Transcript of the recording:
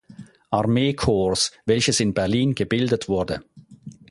Armeekorps, welches in Berlin gebildet wurde.